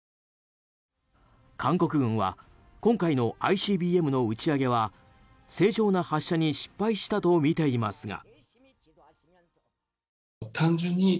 韓国軍は今回のＩＣＢＭの打ち上げは正常な発射に失敗したとみていますが。